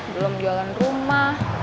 belum jalan rumah